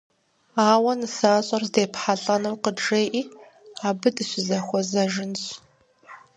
Ауэ нысащӏэр здепхьэлӀэнур къыджеӀи, абы дыщызэхуэзэжынщ.